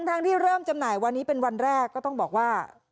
ทั้งที่เริ่มจำหน่ายวันนี้เป็นวันแรกก็ต้องบอกว่า